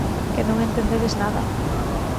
Que non entendedes nada.